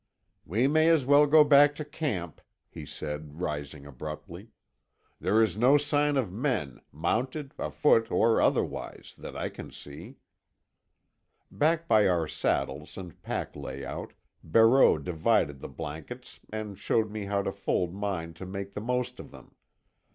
"We may as well go back to camp," he said, rising abruptly. "There is no sign of men, mounted, afoot, or otherwise, that I can see." Back by our saddles and pack layout, Barreau divided the blankets and showed me how to fold mine to make the most of them.